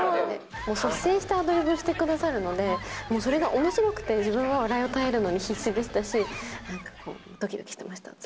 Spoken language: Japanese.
率先してアドリブしてくださるので、それがおもしろくて、自分は笑いを耐えるのに必死でしたし、どきどきしてました。